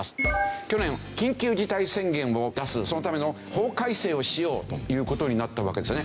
去年緊急事態宣言を出すそのための法改正をしようという事になったわけですよね。